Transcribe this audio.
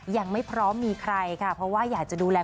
ยังไม่พร้อมมีใครค่ะเพราะว่าอยากจะดูแล